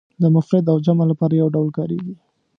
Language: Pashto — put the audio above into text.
د مفرد او جمع لپاره یو ډول کاریږي.